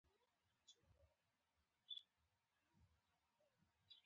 د وېشتلو لپاره ځای نشته، خو دغه تومانچې ډېرې ښې دي.